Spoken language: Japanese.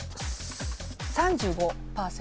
３５％。